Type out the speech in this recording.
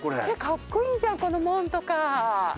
かっこいいじゃんこの門とか。